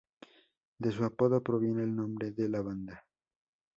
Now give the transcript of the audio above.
De su apodo proviene el nombre de la banda.